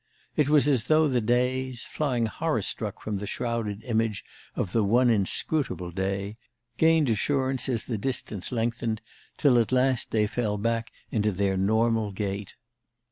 It was as though the days, flying horror struck from the shrouded image of the one inscrutable day, gained assurance as the distance lengthened, till at last they fell back into their normal gait.